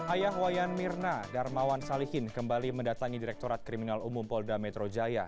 ayah wayan mirna darmawan salihin kembali mendatangi direktorat kriminal umum polda metro jaya